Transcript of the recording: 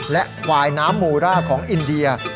และควายน้ำมูร่าของอินเดีย